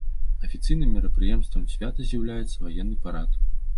Афіцыйным мерапрыемствам свята з'яўляецца ваенны парад.